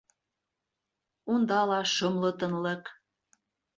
Унда ла шомло тынлыҡ.